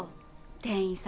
店員さん。